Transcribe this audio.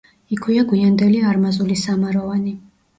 იქვეა გვიანდელი არმაზული სამაროვანი.